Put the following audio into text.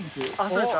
そうです。